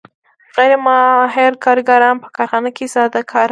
غیر ماهر کارګران په کارخانه کې ساده کار کوي